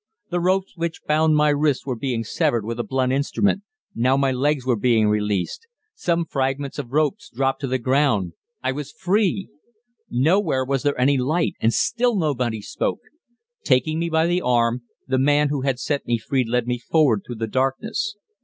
The ropes which bound my wrists were being severed with a blunt instrument. Now my legs were being released. Some fragments of rope dropped to the ground. I was free! Nowhere was there any light, and still nobody spoke. Taking me by the arm, the man who had set me free led me forward through the darkness.